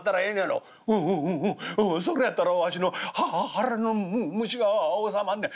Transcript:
それやったらわしの腹の虫がおさまんねん。